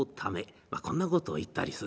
まあこんなことを言ったりするわけで。